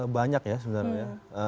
banyak ya sebenarnya